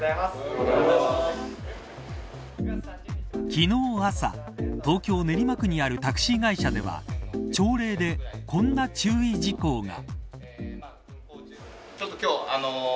昨日朝、東京練馬区にあるタクシー会社では朝礼で、こんな注意事項が。